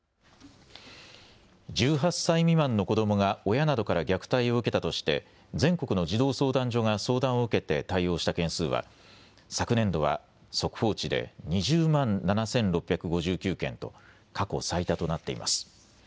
１８歳未満の子どもが親などから虐待を受けたとして全国の児童相談所が相談を受けて対応した件数は昨年度は速報値で２０万７６５９件と過去最多となっています。